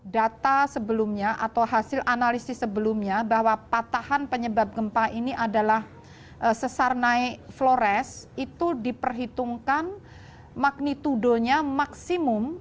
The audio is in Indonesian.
data sebelumnya atau hasil analisis sebelumnya bahwa patahan penyebab gempa ini adalah sesar naik flores itu diperhitungkan magnitudonya maksimum